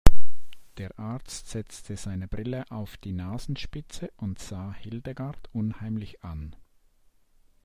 Der Arzt setzte seine Brille auf die Nasenspitze und sah Hildegard unheimlich an.